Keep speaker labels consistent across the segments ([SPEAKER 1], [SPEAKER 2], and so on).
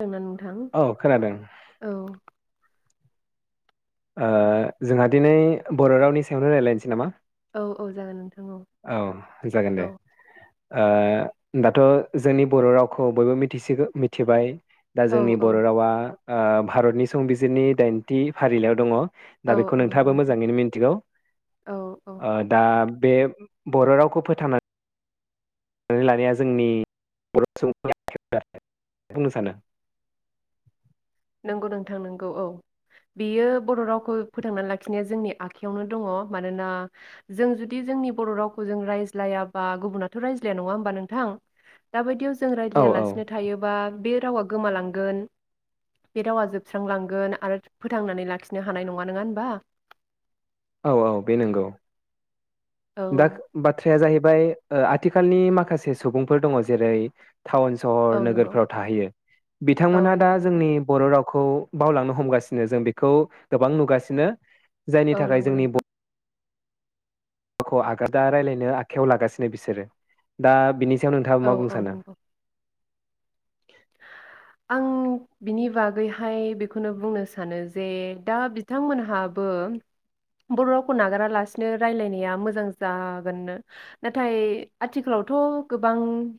[SPEAKER 1] [unintelligible] दोंना नोंथां
[SPEAKER 2] औ खोनादों
[SPEAKER 1] औ ।
[SPEAKER 2] ओ जोंहा दिनै बर' रावनि सायावनो राय्लायनोसै नामा?
[SPEAKER 1] औ औ जागोन नों
[SPEAKER 2] औ जागोन दे । ओ दाथ' जोंनि बर' रावखौ बयबो मिसिग मिथिबाय दा
[SPEAKER 1] औ
[SPEAKER 2] जोंनि बर'
[SPEAKER 1] औ
[SPEAKER 2] रावा ओ भारतनि संबिजिरनि दाइनथि फारिलाइयाव दङ' दा
[SPEAKER 1] औ
[SPEAKER 2] बेखौ
[SPEAKER 1] औ नंगौ
[SPEAKER 2] नोंथाङाबो
[SPEAKER 1] नोंथां
[SPEAKER 2] मोजाङैनो मिथिगौ
[SPEAKER 1] औ औ
[SPEAKER 2] ओ दा बे बर' रावखौ फोथांनान लानाया जोंनि बर' सुबुं [unintelligible] बुंनो सानो?
[SPEAKER 1] नोंगौ नोंथां नोंगौ औ बेयो बर' रावखो फोथांनानै लाखिनो जोंनि आखयावनो दङ' मानोना जों जुदि जोंनि बर' रावखौ जों रायज्लायाबा गुबुनाथ' रायज्लाया नङा होमबा नोंथां दा बायदियाव ज जों
[SPEAKER 2] औ
[SPEAKER 1] रायलाया
[SPEAKER 2] औ
[SPEAKER 1] लासिनो थायोबा बे रावा गोमालांगोन बे रावा जोबस्रांलांगोन आरो फोथांनानै लाखिनो हानायनङा नोंआ होमबा?
[SPEAKER 2] औ औ बे नंगौ
[SPEAKER 1] औ
[SPEAKER 2] । दाख बाथ्राया जाहै बाय ओ आथिखालनि माखासे सुबुंफोर दङ' जेरै टाउन सहर
[SPEAKER 1] औ नंगौ
[SPEAKER 2] नोगोरफ्राव थाहैयो
[SPEAKER 1] औ
[SPEAKER 2] बिथांमोनहा दा
[SPEAKER 1] नंगौ नोंथां
[SPEAKER 2] जोंनि बर' राव खौ बावलांनो हमगासिनो जों बेखौ गोबां नुगासिनो जायनि
[SPEAKER 1] औ
[SPEAKER 2] थाखाय
[SPEAKER 1] नंगौ नोंथां ।
[SPEAKER 2] खौ आगादा राय्लायनो आखायाव लागासिनो बिसोरो दा बिनि नोंथाङाबा
[SPEAKER 1] औ
[SPEAKER 2] मा बुं
[SPEAKER 1] औ
[SPEAKER 2] सानो?
[SPEAKER 1] नंगौ आं बिनि बागैहाय बेखौनो बुंनो सानो जे दा बिथांमोनहाबो बर' रावखौ नागारालासिनो रायलायनाया मोजां जागोननो नाथाय आथिखालावथ' गोबां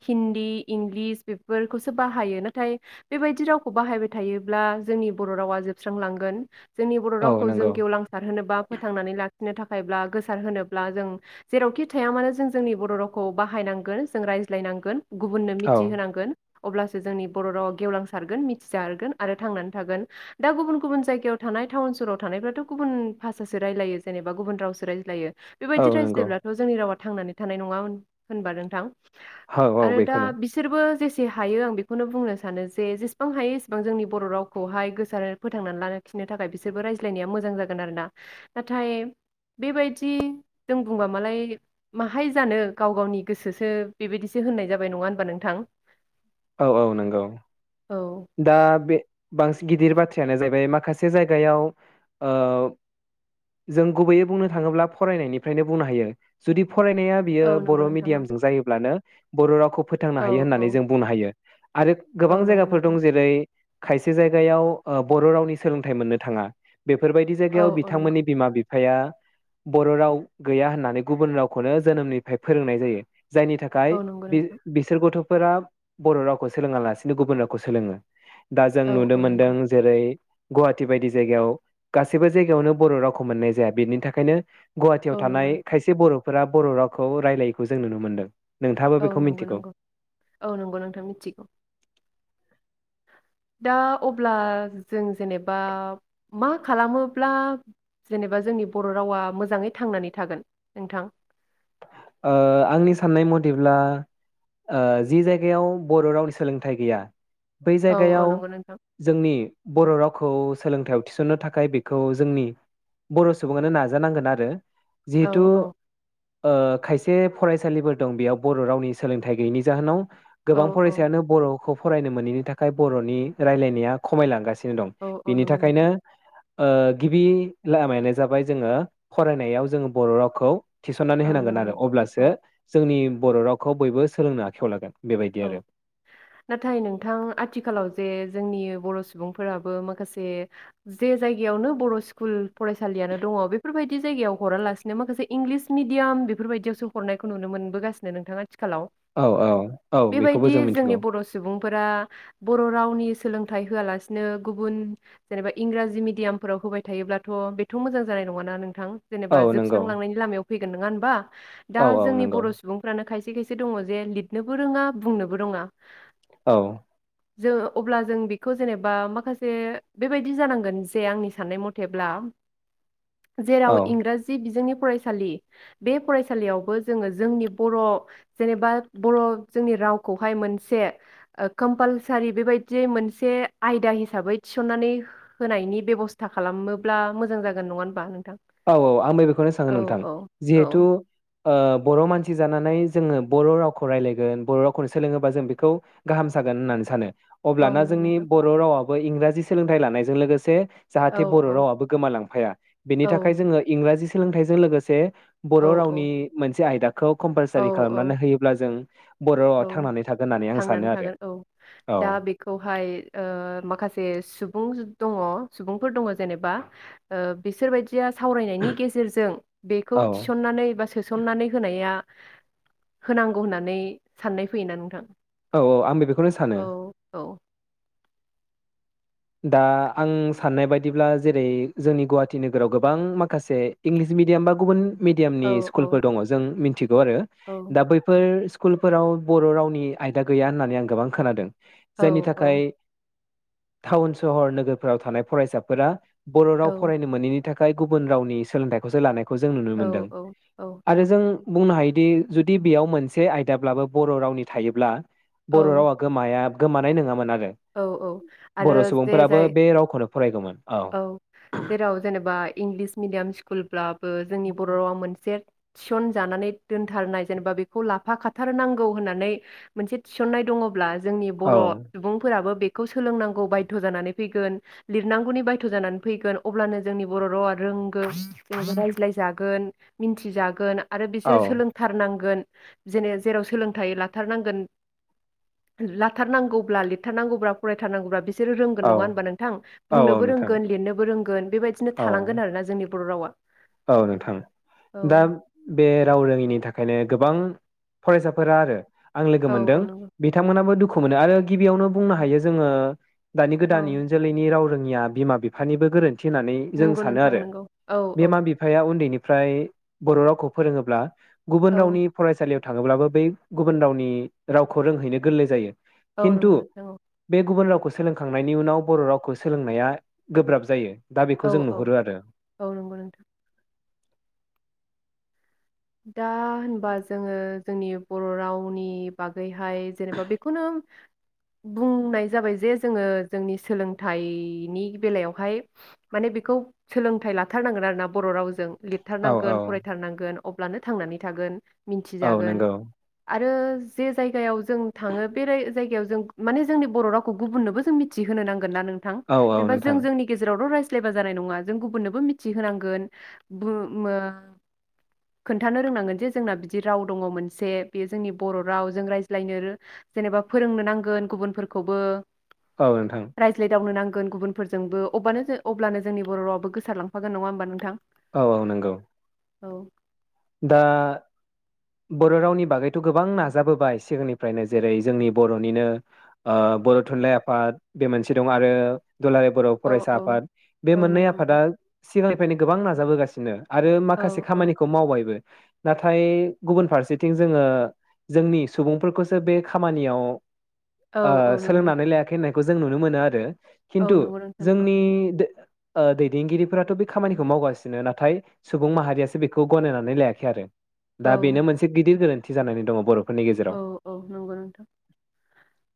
[SPEAKER 1] हिन्दी इंलिस बेफोरखौसो बाहायो नाथाय बेबायदि रावखौ बाहायबाय थायोब्ला जोंनि बर' रावा जोबस्रांलांगोन जोंनि बर'
[SPEAKER 2] औ
[SPEAKER 1] रावखौ जों
[SPEAKER 2] नंगौ
[SPEAKER 1] गेवलांसार होनोबा फोथांनानै ला नो थाखायब्ला गोसार होनोब्ला जों जेरावखि थाया मानो जों जोंनि बर' रावखौ बाहायनांगोन जों रायज्लायनांगोन गुबुननो
[SPEAKER 2] औ
[SPEAKER 1] मिथिहोनांगोन अब्लासो जोंनि बर' रावा गेवलांसारगोन मिथिजारगोन आरो थांनानै थागोन दा गुबुन गुबुन जायगायाव थानाय टाउन सहाव थानायफ्राथ' गुबुन भाषासो रायज्लायो जेनेबा गुबुन रावसो रायज्लायो
[SPEAKER 2] औ
[SPEAKER 1] बेबायदि
[SPEAKER 2] नंगौ
[SPEAKER 1] रायज्लायब्लाथ' जोंनि रावा थांनानै थानाय नङा होन होनबा नोंथां
[SPEAKER 2] औ
[SPEAKER 1] ।
[SPEAKER 2] औ
[SPEAKER 1] आरो दा
[SPEAKER 2] बेखौनो
[SPEAKER 1] बिसोरबो जेसे हायो आं बेखौनो बुंनो सानो जे जेसेबां हायो इेसेबां जोंनि बर' रावखौहाय गोसार फोथांनानै लाखिनो थाखाय बिसोरबो रायज्लायनाया मोजां जागोन आरो ना नाथाय बेबायदि जों बुंबा मालाय माहाय जानो गाव गावनि गोसोसो बेबायदिसो होननाय जाबाय नङा होनबा नोंथां?
[SPEAKER 2] औ औ नंगौ
[SPEAKER 1] औ
[SPEAKER 2] । दा बे बांसिन गिदिर बाथ्रा [unintelligible] माखासे जायगायाव ओ जों गुबैयै बुंनो थाङोब्ला फरायनायनिफ्रायनो बुंनो हायो जुदि फरायनाया बियो
[SPEAKER 1] औ नंगौ
[SPEAKER 2] बर'
[SPEAKER 1] नोंथां
[SPEAKER 2] मिडियामजों जायोब्लानो बर' रावखौ फोथांनो
[SPEAKER 1] औ
[SPEAKER 2] हायो
[SPEAKER 1] औ
[SPEAKER 2] होननानै जों
[SPEAKER 1] औ
[SPEAKER 2] बुंनो हायो आरो गोबां
[SPEAKER 1] औ
[SPEAKER 2] जायगा
[SPEAKER 1] नंगौ नोंथां
[SPEAKER 2] दं जेरै खायसे जायगायाव ओ बर' रावनि सोलोंथाइ मोननो थाङा। बेफोरबायदि
[SPEAKER 1] औ
[SPEAKER 2] जायगायाव
[SPEAKER 1] औ नंगौ
[SPEAKER 2] बिथांमोननि बिमा बि बिफाया बर' राव गैया होननानै गुबुन रावखौनो जोनोमनिफ्राय फोरोंनाय जायो । जायनि थाखाय
[SPEAKER 1] औ नंगौ
[SPEAKER 2] बि
[SPEAKER 1] नोंथां
[SPEAKER 2] बिसोर गथ' फोरा बर' रावखौ सोलोङा लासिनो गुबुन राव खौ सोलोङो। दा जों
[SPEAKER 1] औ
[SPEAKER 2] नुनो
[SPEAKER 1] औ
[SPEAKER 2] मोनदों
[SPEAKER 1] नंगौ
[SPEAKER 2] जेरै गुवाहाटि बायदि जायगायाव गासैबो जायगायावनो बर' रावखौ मोननाय जाया बेनि थाखायनो गुवाहाटियाव
[SPEAKER 1] औ नंगौ
[SPEAKER 2] थानाय
[SPEAKER 1] नोंथां
[SPEAKER 2] खायसे बर'। फोरा बर' रावखौ रायलायैखौ जों नुनो मोन्दों
[SPEAKER 1] औ नंगौ नंगौ औ नंगौ नोंथां मिथिगौ। दा अब्ला जों जेनेबा मा खालामोब्ला जेनेबा जोंनि बर' रावा मोजाङै थांनानै थागोन नोंथां।
[SPEAKER 2] ओ आंनि साननाय मथेब्ला ओ जि जायगायाव बर' रावनि सोलोंथाइ गैया बै
[SPEAKER 1] औ औ
[SPEAKER 2] जायगायाव
[SPEAKER 1] नंगौ नोंथां
[SPEAKER 2] जोंनि बर' राव खौ सोलोंथायाइयाव थिसन्नो थाखाय बेखौ जोंनि बर' सुबुङानो नाजानांगोन आरो ।
[SPEAKER 1] औ
[SPEAKER 2] जिहेथु ओ खायसे फरायसालिफोर दं बेयाव बर' रावनि सोलोंथाइ गैयैनि जाहोनाव
[SPEAKER 1] औ
[SPEAKER 2] गोबां
[SPEAKER 1] औ
[SPEAKER 2] फरायसायानो बर'खौ फरायनो मोनैनि थाखाय बर'नि रायलायनाया खमायलांगासिनो दं
[SPEAKER 1] औ औ
[SPEAKER 2] बिनि
[SPEAKER 1] नंगौ नोंथां
[SPEAKER 2] थाखायनो । ओ गिबि लामायानो जाबाय जोङो फरायनायाव जोङो बर' रावखौ थिसननानै
[SPEAKER 1] औ
[SPEAKER 2] होनांगोन
[SPEAKER 1] नंगौ
[SPEAKER 2] आरो।
[SPEAKER 1] नोंथां
[SPEAKER 2] अब्लासो जोंनि बर' रावखौ बयबो सोलोंनो आखायाव लागोन। बेबायदि
[SPEAKER 1] औ
[SPEAKER 2] आरो
[SPEAKER 1] नाथाय नोंथां आथिखालाव जे जोंनि बर' सुबुंफोराबो माखासे जे जायगायावनो बर' स्कुल फरायसालियानो दङ बेफोरबाय दि जायगायाव हरालासिनो माखासे इंलिस मिडियाम बेफोरबायदियावसो हरनायखौ नुनो मोनबोगासिनो नोंथां आथिखालाव
[SPEAKER 2] औ औ बेखौबो
[SPEAKER 1] बेबायदि
[SPEAKER 2] जों
[SPEAKER 1] जोंनि
[SPEAKER 2] मिथिगौ
[SPEAKER 1] बर' सुबुंफोरा बर' रावनि सोलोंथाइ होआलासिनो गुबुन जेनेबा इंराजि मिडियामफोराव होबाय थायोब्लाथ' बेथ' मोजां जानाय नङाना नोंथां जेनेबा
[SPEAKER 2] औ नंगौ
[SPEAKER 1] जोबस्रालांनायनि लामायाव फै गोन नङा होमबा दा
[SPEAKER 2] औ औ
[SPEAKER 1] जोंनि
[SPEAKER 2] नंगौ
[SPEAKER 1] बर' सुबुंफ्रानो खायसे खायसे खायसे दङ जे लिरनो बोरोङा बुंनोबो रोङा
[SPEAKER 2] औ
[SPEAKER 1] जों अब्ला जों बेखौ जेनेबा माखासे बेबायदि जानांगोन जे आंनि साननाय मथेब्ला जेराव
[SPEAKER 2] औ
[SPEAKER 1] इंराजि बिजोंनि फरायसालि बे फरायसालियावबो जोङो जोंनि बर' जेनेबा बर' जोंनि रावखौहाय मोनसे ओ कम्पालसारि बेबायदियै मोनसे आयदा हिसाबै थिसननानै होनायनि बेब'स्था खालामोब्ला मोजां जागोन नङा होमबा नों
[SPEAKER 2] औ औ आंबो बेखौनो सानो नोंथां
[SPEAKER 1] औ
[SPEAKER 2] जिहेथु ओ बर' मानसि जानानै जोङो बर' रावखौ रायज्लायगोन बर' रावखौनो सोलोङोबा जों बेखौ गाहाम जागोन होननानै सानो।
[SPEAKER 1] औ
[SPEAKER 2] अब्लाना
[SPEAKER 1] नंगौ
[SPEAKER 2] जोंनि
[SPEAKER 1] नोंथां
[SPEAKER 2] बर' रावा इंराजि सोलोंथाइ लानायजों लोगोसे
[SPEAKER 1] औ
[SPEAKER 2] जाहाथे बर'
[SPEAKER 1] औ
[SPEAKER 2] रावाबो गोमालांफाया बेनि
[SPEAKER 1] औ
[SPEAKER 2] थाखा जोङो इंराजि सोलोंथाइजों लोगोसे बर'
[SPEAKER 1] औ
[SPEAKER 2] रावनि मोनसे आयदा खौ
[SPEAKER 1] औ
[SPEAKER 2] कम्पालसारि
[SPEAKER 1] औ
[SPEAKER 2] खालामनानै होयोब्ला जों बर' रावा
[SPEAKER 1] औ
[SPEAKER 2] थांनानै थागोन होननानै आं सानो
[SPEAKER 1] थांनानै
[SPEAKER 2] आरो
[SPEAKER 1] थागोन औ
[SPEAKER 2] औ
[SPEAKER 1] दा बेखौहाय ओ माखासे सुबुं दङ सुबुंफोर दङ जेनेबा ओ बिसोर बायदि या सावरायनायनि गेजेरजों बेखौ
[SPEAKER 2] औ
[SPEAKER 1] थिसननानै बा सोसननानै होनाया होनांगौ होननानै साननाय फैयोना नोंथां?
[SPEAKER 2] औ औ आंबो बे
[SPEAKER 1] औ औ।
[SPEAKER 2] दा आं साननाय बायदिब्ला जेरै जोंनि गुवाहाटि नोगोराव गोबां माखासे इंलिस मिडियाम बा गुबुन
[SPEAKER 1] औ
[SPEAKER 2] मिडियामनि
[SPEAKER 1] औ
[SPEAKER 2] स्कुलफोर दङ जों मि थिगौ आरो
[SPEAKER 1] औ
[SPEAKER 2] दा बैफोर स्कुलफोराव बर' रावनि आयदा गैया होननानै आं गोबां खोनादों। जायनि
[SPEAKER 1] औ
[SPEAKER 2] थाखाय
[SPEAKER 1] औ
[SPEAKER 2] टाउन सहर नोगोरफोराव थानाय फरायसाफोरा बर
[SPEAKER 1] औ
[SPEAKER 2] राव फरायनो मोनैनि नि थाखाय गुबुन रावनि सोलोंथाइखौसो लानाय खौ जों नुनो मोनदों
[SPEAKER 1] औ
[SPEAKER 2] आरो जों बुंनो हायो जुदि जुदि बेयाव मोनसे आयदाब्लाबो बर रावनि थायोब्ला
[SPEAKER 1] औ
[SPEAKER 2] बर रावा गोमाया। गोमानाय नंङामोन आरो
[SPEAKER 1] औ औ। आरो
[SPEAKER 2] बर'
[SPEAKER 1] जे
[SPEAKER 2] सुबुंफोराबो
[SPEAKER 1] जाय
[SPEAKER 2] बे रावखौनो फरायगौमोन
[SPEAKER 1] औ जेराव जेनेबा इंलिस मिडियाम स्कुल [unintelligible] ओ जोंनि बर रावा मोनसे थिसनजानानै दोनथारनाय जेनेबा बेखौ लाफा खाथारनांगौ होननानै मोनसे थिसननाय दंङब्ला जोंनि
[SPEAKER 2] औ
[SPEAKER 1] बर सुबुं बेखौ सोलोंनांगौ बायध जानानै फैगोन लिरनांगौनि बायध जानानै फैगोन अब्लानो जोंनि बर रावा रोंगौ रायज्लायजागोन मिथिजागोन आरो
[SPEAKER 2] औ
[SPEAKER 1] बिसोरो सोलोंथारनांगोन जेने जेराव सोलोंथाइ लाथारनांगोन लाथारनांगौब्ला थानांगौब्ला फरायथारांगौब्ला बे बिसोरो रोंगोन नंङा होनबा नोंथां
[SPEAKER 2] औ औ
[SPEAKER 1] बुंनोबो
[SPEAKER 2] नोंथां
[SPEAKER 1] रोंगोन लिरनोबो रोंगोन गोन बेबायदिनो
[SPEAKER 2] औ
[SPEAKER 1] थालांगोन आरोना जोंनि बर रावा
[SPEAKER 2] औ नोंथां दा
[SPEAKER 1] औ
[SPEAKER 2] बे राव रोंङिनि थाखायनो गोबां फरायसाफोरा आरो आं लोगो
[SPEAKER 1] औ
[SPEAKER 2] मोनदों
[SPEAKER 1] औ नंगौ
[SPEAKER 2] बिथांमोनाबो दुखु मोनो आरो गिबियावनो बुंनो हायो जोंङो दानि गोदान
[SPEAKER 1] औ
[SPEAKER 2] इयुन जोलैनि राव रो ङिया बिमा बिफानिबो गोरोन्थि थि होननानै जों
[SPEAKER 1] नंगौ
[SPEAKER 2] सानो
[SPEAKER 1] नोंथां
[SPEAKER 2] आरो
[SPEAKER 1] नंगौ औ औ
[SPEAKER 2] बिमा बिफाया उन्दैनिफ्राय ओमफ्राय बर रावखौ फोरोंङोब्ला गुबुन
[SPEAKER 1] औ
[SPEAKER 2] रावनि फरायसालियाव थांङोब्लाबो बै गुबुन रावनि रावखौ रोंहैनो गोरलै जायो
[SPEAKER 1] औ
[SPEAKER 2] खिन्थु
[SPEAKER 1] नंगौ नोंथां औ
[SPEAKER 2] बे गुबुन राव खौ सोलोंखांनायनि उनाव बर रावखौ सोलोंनाया गोब्राब जायो दा
[SPEAKER 1] औ
[SPEAKER 2] बेखौ जों
[SPEAKER 1] औ
[SPEAKER 2] नुहुरो आरो
[SPEAKER 1] औ नंगौ नोंथां दा होनबा जोङो जोंनि बर' रावनि बागै हाय जेनेबा बेखौनो बुंनाय जाबाय जे जोङो जोंनि सोलोंथाइनि बेलायावहाय माने बेखौ सोलोंथाइ लाथारनांगोन आरोना बर' रावजों
[SPEAKER 2] औ
[SPEAKER 1] लिरथारनांगोन
[SPEAKER 2] औ
[SPEAKER 1] फरायथारनांगोन अब्लानो थांनानै थागोन
[SPEAKER 2] औ
[SPEAKER 1] मिथिजागोन
[SPEAKER 2] नंगौ
[SPEAKER 1] आरो जे जायगायाव जों थाङो बे जायगायाव जों माने जोंनि बर' रावखौ गुबुननोबो जों मिथिहोनो नांगौ ना नोंथां
[SPEAKER 2] औ औ
[SPEAKER 1] जेना जों
[SPEAKER 2] नोंथां
[SPEAKER 1] जोंनि गेजाव लायबा जानाय नङा जों गुबुननोबो मिथिहोनांगोन खोन्थानो रोंनांगोन जे जोंना बिदि राव दङ मोनसे बेयो जोंनि बर' राव जों रायज्लायनो जेनेबा फोरोंनो नांगोन गुबुनफोरखौबो
[SPEAKER 2] औ नोंथां
[SPEAKER 1] रायज्लायदावनो नांगौ गुबुनफोरजोंबो अब्लानो जोंनि बर रावबो गोसारांफाग नङा होमबा नोंथां
[SPEAKER 2] औ औ नंगौ
[SPEAKER 1] औ
[SPEAKER 2] दा बर' रावनि बागैथ' गोबां नाजाबोबाय सिगांनिफ्रायनो जेरै जोंनि बर'निनो बर' थुनलाइ आफाद बे मोनसे दं आरो दुलाराय बर'
[SPEAKER 1] औ
[SPEAKER 2] फरायसा
[SPEAKER 1] औ
[SPEAKER 2] आफाद बे
[SPEAKER 1] औ
[SPEAKER 2] मोननै
[SPEAKER 1] नंगौ
[SPEAKER 2] आफादा
[SPEAKER 1] नोंथां
[SPEAKER 2] सिगां निफ्रायनो गोबां नाजाबोगासिनो आरो
[SPEAKER 1] औ
[SPEAKER 2] माखासे
[SPEAKER 1] औ
[SPEAKER 2] खामानिखौ मावबाय नाथाय गुबुन फारसेथिं जोङो जोंनि सुबुंफोरखौसो बे खामानियाव
[SPEAKER 1] औ औ नंगौ नों-
[SPEAKER 2] सोलोंनानै लायाखै होनख खौ जों नुनो मोनो आरो
[SPEAKER 1] औ
[SPEAKER 2] खिन्थु
[SPEAKER 1] नंगौ नोंथां नंगौ
[SPEAKER 2] जोंनि दैदेनगिरिफोराथ' बे खामानिखौ मावगासिनो नाथाय सुबुं माहारियासो बेखौ गनायनानै नानै लायाखै आरो दा बेनो
[SPEAKER 1] औ
[SPEAKER 2] मोनसे गिदिर गोरोन थि जानानै दङ बर'
[SPEAKER 1] औ औ नंगौ नोंथां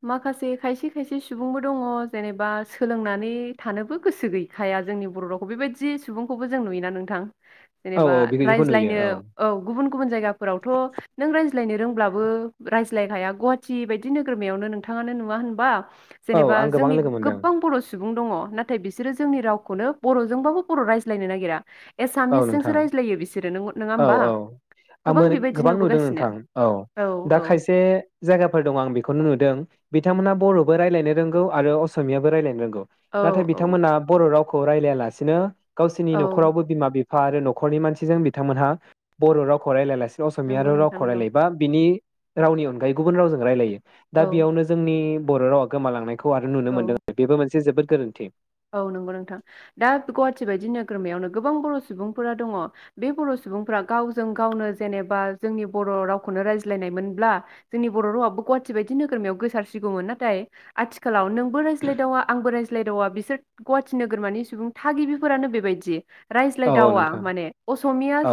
[SPEAKER 1] माखासे खायसे खायसे सुबुंबो दङ जेनेबा सोलोंनानै थानोबो गोसो गैखाया जोंनि बर' रावखौ बेबायदि सुबुंखौबो जों नुयोना नोंथां
[SPEAKER 2] औ
[SPEAKER 1] जेनेबा
[SPEAKER 2] औ बिदिखौ नुयो
[SPEAKER 1] रायज्लायनो औ गुबुन गुबुन जायगाफोरावथ' नों रायज्ल सायनो रोंब्लाबो रायज्लायखाया गुवाहाटि बायदि नोगोरमायावनो नोंथाङानो नुवा होनबा
[SPEAKER 2] औ
[SPEAKER 1] जेनेबा
[SPEAKER 2] आं गोबां
[SPEAKER 1] जोंनि
[SPEAKER 2] लोगो मोनदों
[SPEAKER 1] गोबां बर' सुबुं सुबुं दङ नाथाय बिसोरो जोंनि रावखौनो बर'जोंबाबो बर' रायज्लायनो नागिरा
[SPEAKER 2] औ
[SPEAKER 1] एसामिसजोंसो
[SPEAKER 2] नोंथां
[SPEAKER 1] रायज्लायो बिसोरो नोंग
[SPEAKER 2] औ औ आंबो गोबां नुदों
[SPEAKER 1] नुबोगासिनो
[SPEAKER 2] नोंथां औ दा खायसे जायगाफोर दं आं बेखौनो नुदों बिथांमोना बर'बो रायजलायनो रोंगौ आरो असमियाबो रायलायनो रोंगौ।
[SPEAKER 1] औ
[SPEAKER 2] नाथाय
[SPEAKER 1] औ
[SPEAKER 2] बिथांमोना बर' राव खौ रायजलाया लासिनो गावसिनि
[SPEAKER 1] औ
[SPEAKER 2] न'खरावबो बिमा बिफा फा आरो नखरनि मानसिजों बि बिथांमोनहा बर' रावखौ रायज्लायालासिनो बि असमिया
[SPEAKER 1] नंगौ
[SPEAKER 2] आरो
[SPEAKER 1] नोंथां
[SPEAKER 2] रावखौ
[SPEAKER 1] नंगौ
[SPEAKER 2] रायज्लायबा बिनि रावनि अनगायै गुबुन रावजों रायज्लायो। दा
[SPEAKER 1] औ
[SPEAKER 2] बेयावनो जोंनि बर' रावा गोमालांनाय खौ आरो नुनो मोनदों
[SPEAKER 1] औ
[SPEAKER 2] बेबो मोनसे जे जोबोर गोरोन्थि।
[SPEAKER 1] औ नंगौ नोंथां दा गुवाहाटि बायदि नोगोरमायावनो गोबां बर' सुबुंफोरा दङ बे बर' सुबुंफोरा्रा गावजों गावनो जेनेबा जोंनि बर' रावखौनो रायज्लायनायमोनब्ला जोंनि बर' रावाबो गुवाहाटि बायदि नोगोरमायाव गोसारसिगौमोन नाथाय आथिखालाव नोंबो रायज्लायदावा आंबो रायज्लायदावा बिसोर गुवाहाटि नोगोरमानि सुबुं थागिबिफोरानो बेबायदि
[SPEAKER 2] औ औ
[SPEAKER 1] रायज्लायदावा
[SPEAKER 2] नोंथां
[SPEAKER 1] माने असमिया
[SPEAKER 2] औ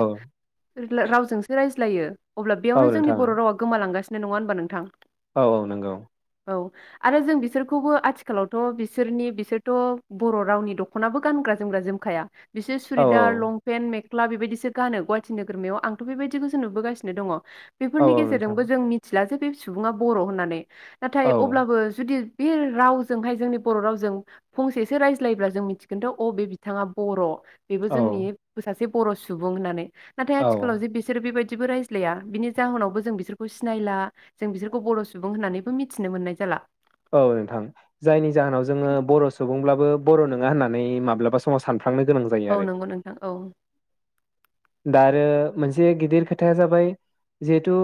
[SPEAKER 1] रावजोंसो रायज्ल ज्लायो अब्ला बेयावनो
[SPEAKER 2] औ
[SPEAKER 1] जोंनि
[SPEAKER 2] नोंथां
[SPEAKER 1] बर' रावा गोमालांगासि नो नङा होनबा नोंथां
[SPEAKER 2] औ औ नंगौ
[SPEAKER 1] औ आरो जों बिसोरखौबो आथिखालावथ' बिसोरनि बिसोरथ' बर' रावनि दख'नाबो गानग्रा जोमग्रा जोमखाया बिसोर
[SPEAKER 2] औ
[SPEAKER 1] सुरिदार लंपेन्ट मे सख्ला बेबायदिसो गानो गुवाहाटि नोगोरमायाव आंथ' बेबायदिखौसो नुबोगासिनो दङ
[SPEAKER 2] औ
[SPEAKER 1] बेफोरनि
[SPEAKER 2] औ नोंथां
[SPEAKER 1] गेजेरजोंबो जों मिथि लासो बे सुबुङा बर' होननानै नाथाय
[SPEAKER 2] औ
[SPEAKER 1] अब्लाबो जुदि बे रावजोंहाय जोंनि बर' रावजों फंसे सो रायज्लायब्ला जों मिथिगोनथ' अ बे बिथाङा बर' बेबो
[SPEAKER 2] औ
[SPEAKER 1] जोंनि सासे ब बर' सुबुं होननानै। नाथाय
[SPEAKER 2] औ
[SPEAKER 1] आथिखालाव जे बिसोरो बेबायदि दिबो रायज्लाया बिनि जाहोनावबो जों बिसोरखौ सिनायला जों बिसोरखौ बर' सुबुं होननानैबो मिथिनो मोननाय जाला।
[SPEAKER 2] औ नोंथां जायनि जाहोनाव जोङो बर' सुबुंब्लाबो बर' नोङा होननानै माब्लाबा समाव सान
[SPEAKER 1] औ नंगौ नोंथां औ
[SPEAKER 2] दा आरो मोनसे गिदिर खोथाया जाबाय जिहेथु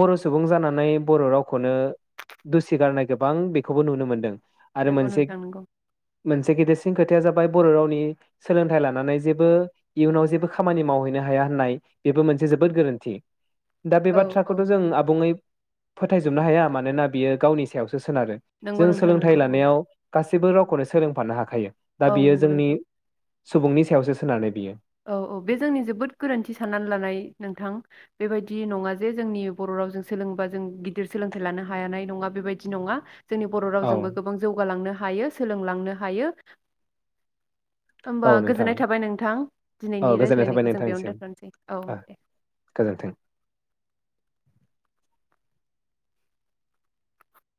[SPEAKER 2] बर' सुबुं जानानै बर' रावखौनो दुसि गारनाय गोबां बेखौबो नुनो मोनदों आरो
[SPEAKER 1] नोंगौ
[SPEAKER 2] मोनसे
[SPEAKER 1] नोंथां नोंगौ
[SPEAKER 2] मोनसे गिदेरसिन खोथाया जाबाय बर' रावनि सोलोंथाइ लानानै जेबो इयुनाव जेबो खा खामानि मावहैनो हाया होननाय बेबो मोनसे जोबोद गोरोन्थि दा बे
[SPEAKER 1] औ औ
[SPEAKER 2] बाथ्राखौथ' जों आबुङै फोथायजोबनो हाया मानोना बियो गावनि सायावस सो सोनारो
[SPEAKER 1] नंगौ
[SPEAKER 2] जों
[SPEAKER 1] नोंथां
[SPEAKER 2] सोलोंथाइ
[SPEAKER 1] नंगौ औ
[SPEAKER 2] लानायाव गासैबो रावखौनो सोलोंफानो हाखायो दा
[SPEAKER 1] औ
[SPEAKER 2] बियो
[SPEAKER 1] नंगौ
[SPEAKER 2] जोंनि
[SPEAKER 1] नोंथां
[SPEAKER 2] सुबुंनि सायावसो सोनारो बियो
[SPEAKER 1] औ औ बे जोंनि जोबोद गोरोन्थि साननानै लानाय नोंथां बेबायदि नङा जे जोंनि बर' रावजों सोलोंबा जों गिदिर सोलोंथाइ लानो हायानाय नङा बेबायदि नङा जोंनि बर'
[SPEAKER 2] औ
[SPEAKER 1] रावजोंबो गोबां जौगालांनो हायो सोलोंलांनो हायो होमबा
[SPEAKER 2] औ नोंथां
[SPEAKER 1] गोजोननाय थाबाय नोंथां
[SPEAKER 2] औ
[SPEAKER 1] दिनैनायनि
[SPEAKER 2] गोजोननाय थाबाय
[SPEAKER 1] रायज्लायनायखौ जों बेयावनो
[SPEAKER 2] नोंथांनिसिम
[SPEAKER 1] दोनथानोसै औ
[SPEAKER 2] ओ
[SPEAKER 1] दे
[SPEAKER 2] गोजोन्थों